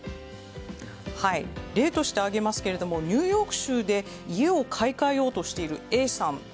例として挙げますけれどもニューヨーク州で家を買い替えようとしているＡさん。